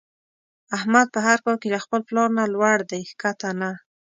احمد په هر کار کې له خپل پلار نه لوړ دی ښکته نه.